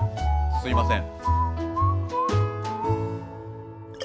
すみません。